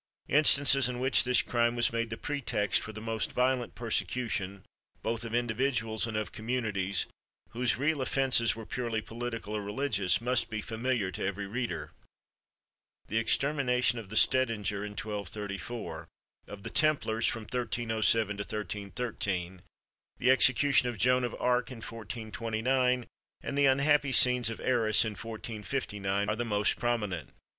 Instances in which this crime was made the pretext for the most violent persecution, both of individuals and of communities, whose real offences were purely political or religious, must be familiar to every reader. The extermination of the Stedinger in 1234, of the Templars from 1307 to 1313, the execution of Joan of Arc in 1429, and the unhappy scenes of Arras in 1459, are the most prominent.